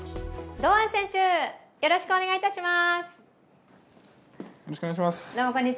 堂安選手、よろしくお願いいたします。